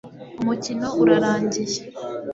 Umukino urarangiye